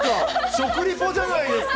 食リポじゃないですか。